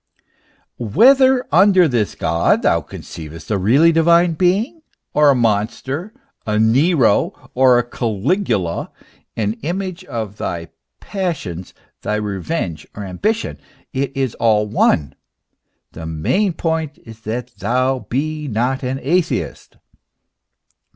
Whether under this God thou conceivest a really divine being or a monster, a Nero or a Cali gula, an image of thy passions, thy revenge, or ambition, it is all one, the main point is that thou be not an atheist.